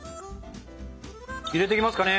入れていきますかね。